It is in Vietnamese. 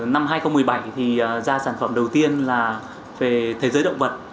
năm hai nghìn một mươi bảy thì ra sản phẩm đầu tiên là về thế giới động vật